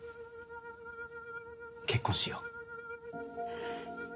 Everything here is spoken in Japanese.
結婚しよう。